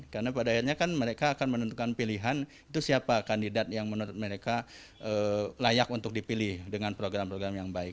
karena pada akhirnya kan mereka akan menentukan pilihan itu siapa kandidat yang menurut mereka layak untuk dipilih dengan program program yang baik